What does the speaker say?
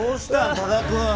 多田君。